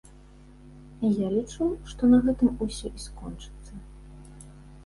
Я лічу, што на гэтым усё і скончыцца.